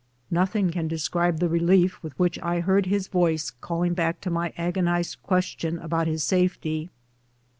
Noth ing can describe the relief with which I heard his voice calling back to my agonized question as to his safety.